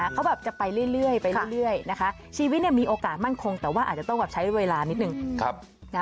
เขาจะไปเรื่อยนะฮะชีวิตมีโอกาศมั่งคงแต่ว่าอาจจะต้องใช้เวลานิดนึง